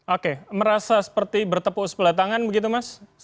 oke merasa seperti bertepuk sebelah tangan begitu mas